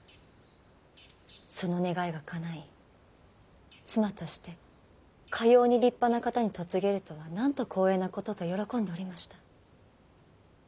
その願いがかない妻としてかように立派な方に嫁げるとはなんと光栄なことと喜んでおりました。